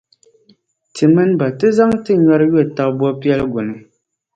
ti mini ba ti zaŋ ti nyɔri yo taba bɔpiɛligu ni.